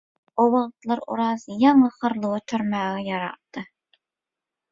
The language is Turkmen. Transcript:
O wagtlar Oraz ýaňy hyrly götermäge ýarapdy.